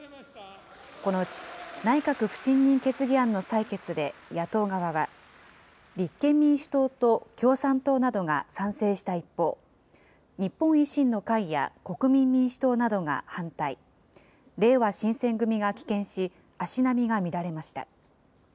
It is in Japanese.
このうち、内閣不信任決議案の採決で野党側は、立憲民主党と共産党などが賛成した一方、日本維新の会や国民民主党などが反対、れいわ新選組が棄権し、足並みが乱れました。